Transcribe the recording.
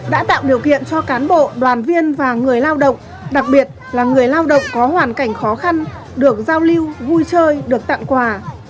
đã tạo điều kiện cho cán bộ đoàn viên và người lao động đặc biệt là người lao động có hoàn cảnh khó khăn được giao lưu vui chơi được tặng quà